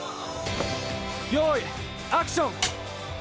よいアクション！